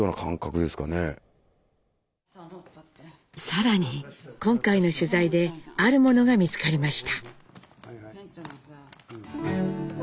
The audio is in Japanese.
更に今回の取材であるものが見つかりました。